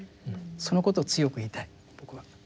そのことを強く言いたい僕は。